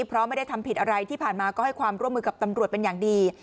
เพราะไม่ได้ทำผิดอะไรที่ผ่านมาก็ให้ความร่วมมือกับตำรวจเป็นอย่างดี